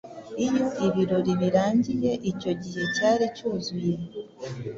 Iyo ibirori birangiye Icyo gihe cyari cyuzuye